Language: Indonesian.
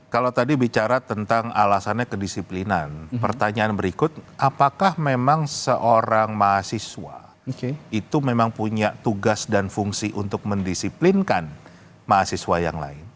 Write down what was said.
kalau tadi bicara tentang alasannya kedisiplinan pertanyaan berikut apakah memang seorang mahasiswa itu memang punya tugas dan fungsi untuk mendisiplinkan mahasiswa yang lain